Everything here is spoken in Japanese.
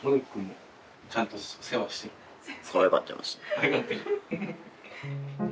かわいがってる？